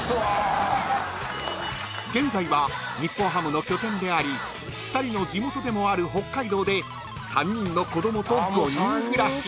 ［現在は日本ハムの拠点であり２人の地元でもある北海道で３人の子供と５人暮らし］